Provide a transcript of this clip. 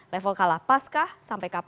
level kala paskah sampai kplp kah